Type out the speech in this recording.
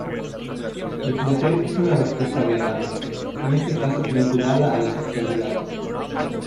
El placer es una respuesta agradable, en este caso vinculada a la sexualidad.